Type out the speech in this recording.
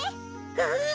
うん。